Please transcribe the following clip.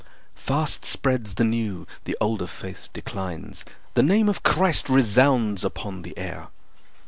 Fast spreads the new; the older faith declines. The name of Christ resounds upon the air.